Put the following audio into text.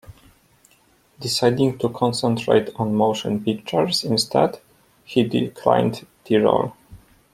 Deciding to concentrate on motion pictures instead, he declined the role.